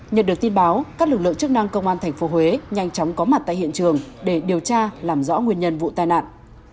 nhận được tin báo các lực lượng chức năng công an tp huế nhanh chóng có mặt tại hiện trường để điều tra làm rõ nguyên nhân vụ tai nạn